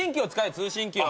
通信機を。